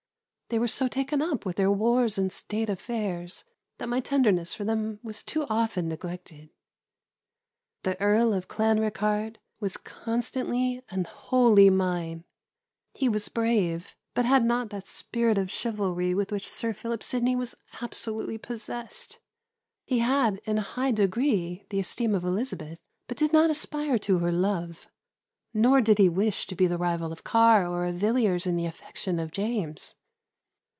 They were so taken up with their wars and state affairs, that my tenderness for them was too often neglected. The Earl of Clanricarde was constantly and wholly mine. He was brave, but had not that spirit of chivalry with which Sir Philip Sidney was absolutely possessed. He had, in a high degree, the esteem of Elizabeth, but did not aspire to her love; nor did he wish to be the rival of Carr or of Villiers in the affection of James.